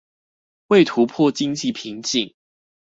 為突破經濟瓶頸